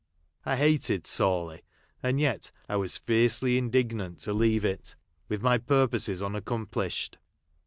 I hated btiwley, and yet I was fiercely in dignant to leave it ; with my purposes un accomplished.